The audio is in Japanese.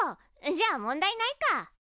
じゃあ問題ないか。